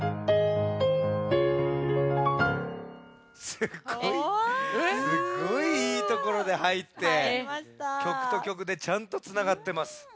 すっごいすっごいいいところではいって曲と曲でちゃんとつながってます。